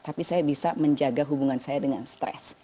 tapi saya bisa menjaga hubungan saya dengan stres